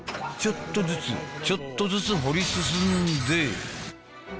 ちょっとずつちょっとずつ掘り進んで。